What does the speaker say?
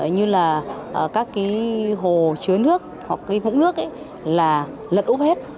như là các cái hồ chứa nước hoặc cái vũng nước là lật úp hết